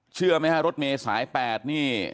เชื่อไหมฮะรถเมย์สาย๘นี่